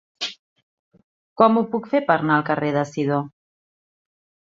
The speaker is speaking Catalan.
Com ho puc fer per anar al carrer de Sidó?